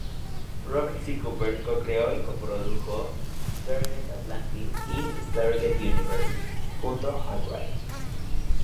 Robert C. Cooper cocreó y coprodujo "Stargate Atlantis" y "Stargate Universe" junto a Wright.